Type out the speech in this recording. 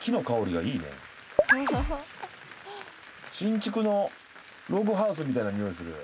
新築のログハウスみたいなにおいする。